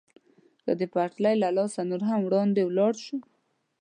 که د پټلۍ له پاسه نور هم وړاندې ولاړ شو.